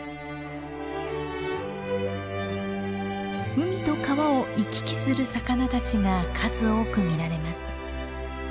海と川を行き来する魚たちが数多く見られます。